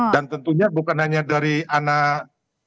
dan tentunya bukan hanya dari anak